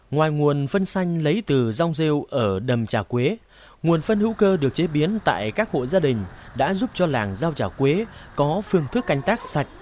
ngoài nguồn phân xanh lấy từ rong rêu ở đầm trà quế nguồn phân hữu cơ được chế biến tại các hộ gia đình đã giúp cho làng giao trà quế có phương thức canh tác sạch